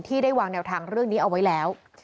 ได้วางแนวทางเรื่องนี้เอาไว้แล้ว